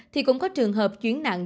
thì cũng có trường hợp chuyến nặng